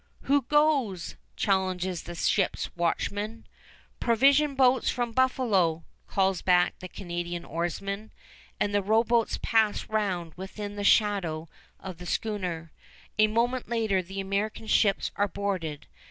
"Who goes?" challenges the ships' watchman. "Provision boats from Buffalo," calls back the Canadian oarsman; and the rowboats pass round within the shadow of the schooner. A moment later the American ships are boarded.